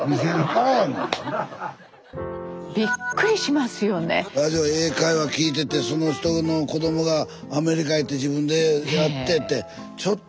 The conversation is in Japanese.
ラジオ英会話聞いててその人の子供がアメリカ行って自分でやってってちょっと。